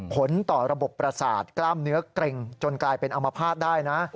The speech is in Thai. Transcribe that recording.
ผลต่อระบบประสาทกล้ามเนื้อเกร็งจนกลายเป็นอมภาษณ์ได้นะ